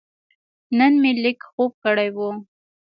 نن مې لږ خوب کړی و.